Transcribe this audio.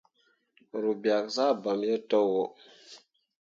Ru biak zah bamme yo towo.